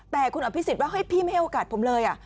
แต่คุณอภิษฎว่าเฮ้ยพี่ไม่ให้โอกาสผมเลย